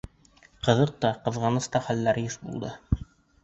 Ҡыҙыҡ та, ҡыҙғаныс та хәлдәр йыш булды.